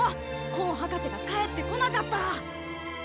コン博士が帰ってこなかったら！